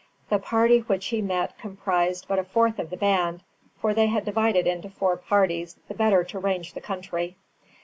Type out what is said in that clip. The party which he met comprised but a fourth of the band, for they had divided into four parties, the better to range the country.